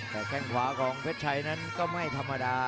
แต่แข้งขวาของเพชรชัยนั้นก็ไม่ธรรมดา